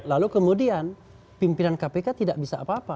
lalu kemudian pimpinan kpk tidak bisa apa apa